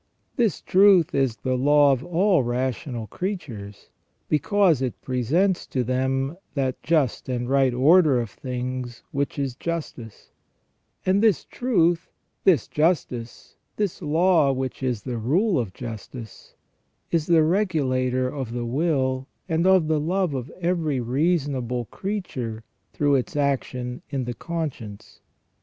This truth is the law of all rational creatures, because it presents to them that just and right order of things which is justice ; and this truth, this justice, this law which is the rule of justice, is the regulator of the will and of the love of every reasonable creature through its action in the conscience.